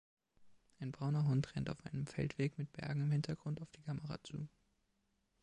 Ein brauner Hund rennt auf einem Feldweg mit Bergen im Hintergrund auf die Kamera zu.